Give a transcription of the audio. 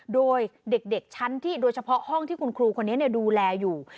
โดยเด็กชั้นที่โดยเฉพาะห้องที่คุณครูคนนี้ดูแลอยู่